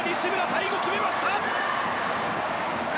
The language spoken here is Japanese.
最後、決めました！